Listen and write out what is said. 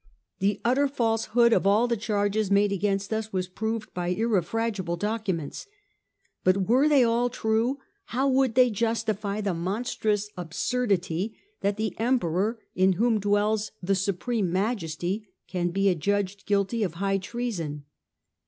The utter falsehood of all the charges made against us was proved by irre fragible documents. But were they all true, how would they justify the monstrous absurdity that the Emperor, in whom dwells the supreme majesty, can be adjudged guilty of high treason